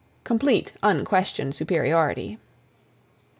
—Complete, unquestioned superiority.